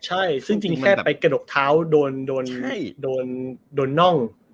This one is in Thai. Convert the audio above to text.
ใช่ซึ่งจริงแค่ไปกระดกเท้าโดนน่อง